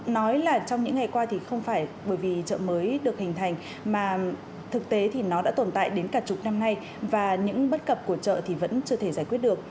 nói là trong những ngày qua thì không phải bởi vì chợ mới được hình thành mà thực tế thì nó đã tồn tại đến cả chục năm nay và những bất cập của chợ thì vẫn chưa thể giải quyết được